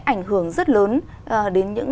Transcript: ảnh hưởng rất lớn đến những